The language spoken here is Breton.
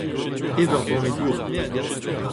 Ev ur banne dour !